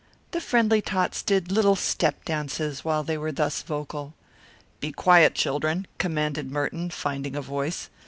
The friendly tots did little step dances while they were thus vocal. "Be quiet, children," commanded Merton, finding a voice.